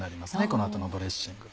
この後のドレッシング。